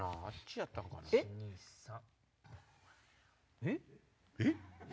３。えっ？えっ？